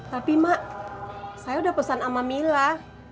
tapi mak saya udah pesan sama mila